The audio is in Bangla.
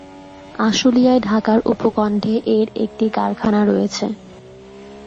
আশুলিয়ায় ঢাকার উপকণ্ঠে এর একটি কারখানা রয়েছে।